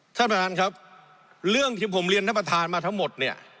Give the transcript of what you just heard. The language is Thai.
ท่านประธานครับเรื่องที่ผมเรียนท่านประธานมาทั้งหมดเนี่ย